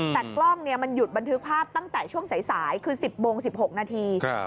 แต่กล้องมันหยุดบันทึกภาพตั้งแต่ช่วงสายคือ๑๐โมง๑๖นาที